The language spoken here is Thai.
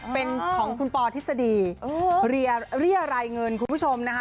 เป็นของคุณปอทฤษฎีเรียรายเงินคุณผู้ชมนะคะ